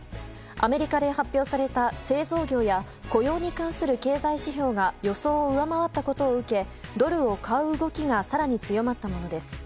アメリカで発表された製造業や雇用に関する経済指標が予想を上回ったことを受けドルを買う動きが更に強まったものです。